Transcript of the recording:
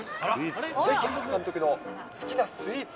ぜひ原監督の好きなスイーツ